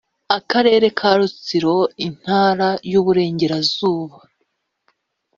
akarere ka rutsiro intara y iburengerazuba